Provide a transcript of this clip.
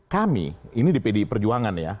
kami ini di pdi perjuangan ya